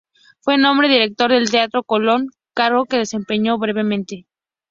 Fue nombrado director del Teatro Colón cargo que desempeño brevemente.